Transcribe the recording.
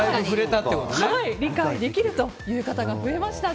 理解できるという方が増えました。